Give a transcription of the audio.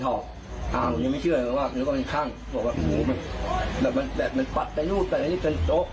ห้างบทแต่มันเนอดหนูแต่ในนี้เป็นโต๊ะ